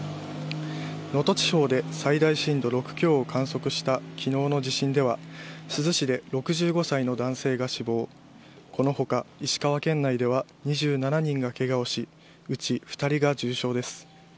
能登地方で最大震度６強を観測した昨日の地震では珠洲市で６５歳の男性が死亡この他石川県内では２７人がケガをしうち２人が重傷です。